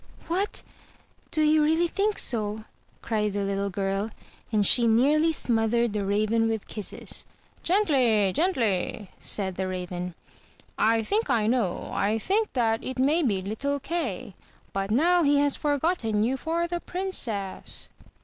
"What! do you really think so?'' cried the little girl; and she nearly smothered the Raven with kisses. "Gently, gently," said the Raven. *' think I know; I think that it may be little Kay. But now he has forgotten you for the Princess."